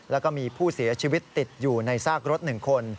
แล้วก็มีผู้เสียชีวิตติดอยู่ในซากรถ๑คน